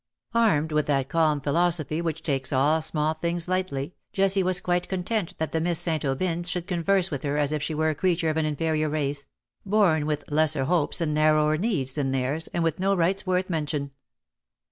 '' Armed with that calm philosophy which takes all small things lightly, Jessie was quite content that the Miss St. Aubyns should converse with her as if she were a creature of an inferior race — born with lesser hopes and narrower needs than theirs, and with no rights worth mention.